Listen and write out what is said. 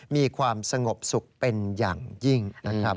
มีความสงบสุขเป็นอย่างยิ่งนะครับ